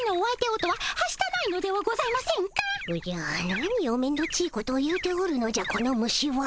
何をめんどっちいことを言うておるのじゃこの虫は。